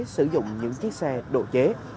sử dụng những chiếc xe độ chế